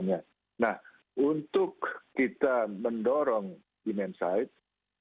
nah untuk kita mendorong demand side